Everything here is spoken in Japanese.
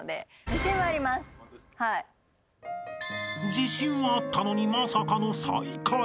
［自信はあったのにまさかの最下位］